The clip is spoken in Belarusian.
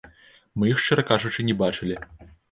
Мы іх, шчыра кажучы, не бачылі.